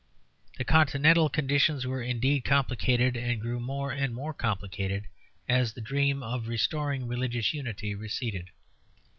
The continental conditions were indeed complicated, and grew more and more complicated as the dream of restoring religious unity receded.